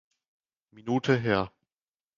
Minute her.